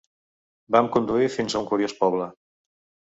Vam conduir fins a un curiós poble.